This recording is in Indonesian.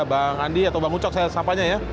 bang andi atau bang ucok saya sapanya ya